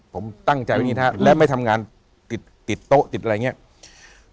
ผมตั้งใจไว้อย่างนี้นะครับและไม่ทำงานติดติดโต๊ะติดอะไรอย่างนี้